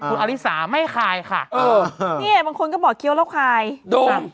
คุณอริสาไม่คายค่ะเออเนี่ยบางคนก็บอกเคี้ยวแล้วคายโดน